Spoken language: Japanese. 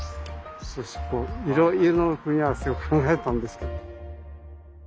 色の組み合わせを考えたんですけど。